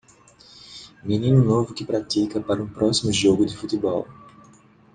Menino novo que pratica para um próximo jogo de futebol.